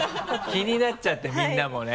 気になっちゃってみんなもね。